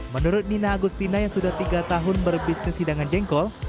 menurut nina agustina yang sudah tiga tahun berbisnis hidangan jengkol